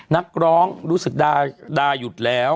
นักร้องรู้สึกดาหยุดแล้ว